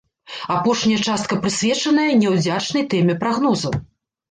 Апошняя частка прысвечаная няўдзячнай тэме прагнозаў.